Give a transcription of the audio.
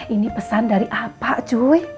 ini pesan dari apa cuy